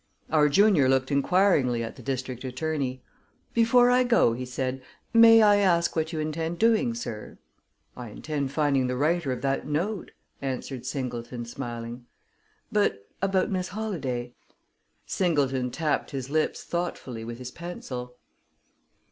Our junior looked inquiringly at the district attorney. "Before I go," he said, "may I ask what you intend doing, sir?" "I intend finding the writer of that note," answered Singleton, smiling. "But, about Miss Holladay?" Singleton tapped his lips thoughtfully with his pencil.